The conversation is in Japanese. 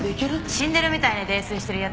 死んでるみたいに泥酔してる奴